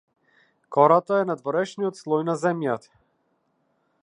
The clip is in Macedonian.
Кората е надворешниот слој на земјата.